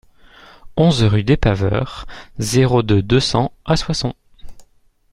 onze rue des Paveurs, zéro deux, deux cents à Soissons